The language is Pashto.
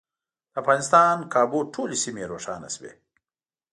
د افغانستان کابو ټولې سیمې روښانه شوې.